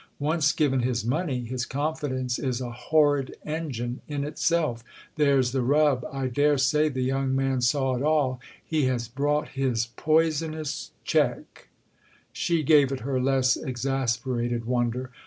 "Once given his money, his confidence is a horrid engine in itself—there's the rub! I dare say"—the young man saw it all—"he has brought his poisonous cheque." She gave it her less exasperated wonder.